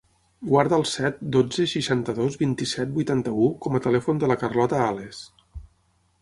Guarda el set, dotze, seixanta-dos, vint-i-set, vuitanta-u com a telèfon de la Carlota Ales.